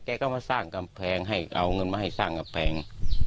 แกก็มาสร้างกำแพงให้เอาเงินมาให้สร้างกำแพง